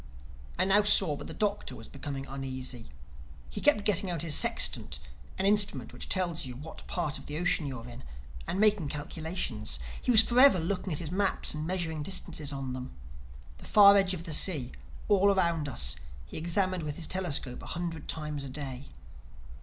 I now saw that the Doctor was becoming uneasy. He kept getting out his sextant (an instrument which tells you what part of the ocean you are in) and making calculations. He was forever looking at his maps and measuring distances on them. The far edge of the sea, all around us, he examined with his telescope a hundred times a day.